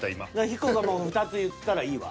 ヒコがもう２つ言ったらいいわ。